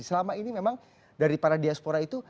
selama ini memang dari para diaspora itu